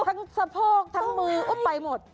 ทั้งสะโพกทั้งมืออุ๊บไปหมด